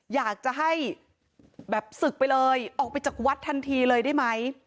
อยากจะให้แบบศึกไปเลยออกไปจากวัดทันทีเลยได้ไหม